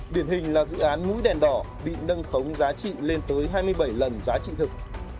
điển hình là dự án mũi đèn đỏ bị nâng khống giá trị lên tới hai mươi bảy lần giá trị thực